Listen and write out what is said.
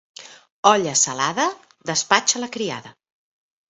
Olla salada, despatxa la criada.